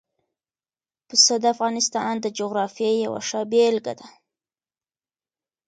پسه د افغانستان د جغرافیې یوه ښه بېلګه ده.